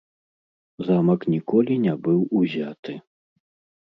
Замак ніколі не быў узяты.